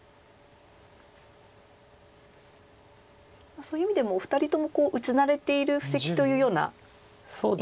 そういう意味でもお二人とも打ち慣れている布石というような印象ですか？